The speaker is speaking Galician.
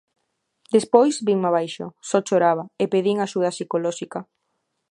Despois vinme abaixo, só choraba, e pedín axuda psicolóxica.